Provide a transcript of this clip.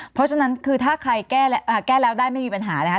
เพราะฉะนั้นคือถ้าใครแก้แล้วได้ไม่มีปัญหานะครับ